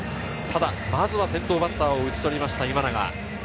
まず先頭バッターを打ち取りました。